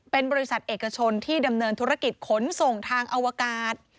เป็นบริษัทเอกชนที่ดำเนินธุรกิจขนส่งทางอวกาศ